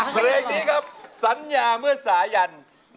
เพลงนี้ครับสัญญาเมื่อสายัน